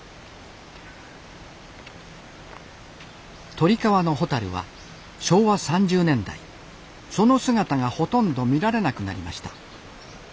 鳥川のホタルは昭和３０年代その姿がほとんど見られなくなりました。